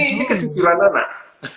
ini kejujuran anak